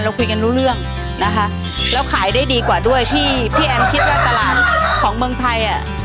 คุยกันรู้เรื่องนะคะแล้วขายได้ดีกว่าด้วยที่พี่แอนคิดว่าตลาดของเมืองไทยอ่ะ